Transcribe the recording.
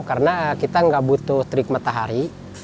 karena kita nggak butuh trik matahari